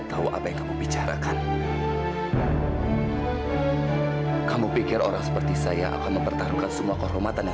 sampai jumpa di video selanjutnya